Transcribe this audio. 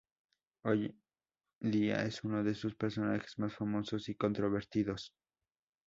Hoy día es uno de sus personajes más famosos y controvertidos.